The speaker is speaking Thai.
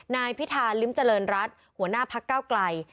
นายพิธาลิ้มเจริญรัฐหัวหน้าพักเก้าไกล